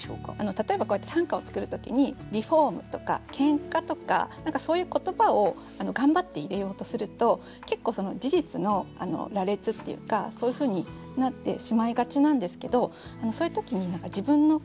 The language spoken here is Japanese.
例えばこうやって短歌を作る時に「リフォーム」とか「ケンカ」とか何かそういう言葉を頑張って入れようとすると結構事実の羅列っていうかそういうふうになってしまいがちなんですけどそういう時に何か自分の心。